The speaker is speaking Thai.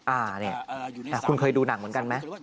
อ่าเนี่ยคุณเคยดูหนังเหมือนกันไหม